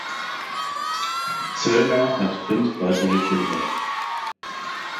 Zöllner hat fünf weitere Kinder.